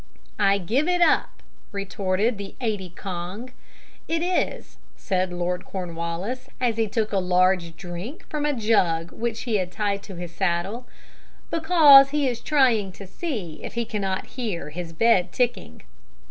"I give it up," retorted the aidy kong. "It is," said Lord Cornwallis, as he took a large drink from a jug which he had tied to his saddle, "because he is trying to see if he cannot hear his bed ticking."